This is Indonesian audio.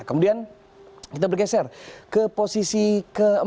kemudian kita bergeser ke posisi ke empat